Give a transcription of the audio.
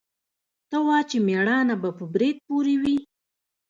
ته وا چې مېړانه به په برېت پورې وي.